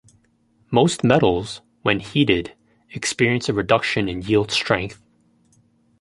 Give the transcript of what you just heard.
Most metals, when heated, experience a reduction in yield strength.